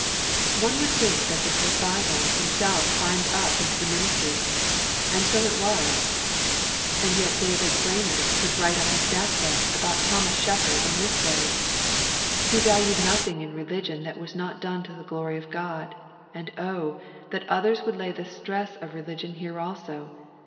One would think that this was By ends himself climbed up into the ministry. And so it was. And yet David Brainerd could write on his deathbed about Thomas Shepard in this way. 'He valued nothing in religion that was not done to the glory of God, and, oh! that others would lay the stress of religion here also.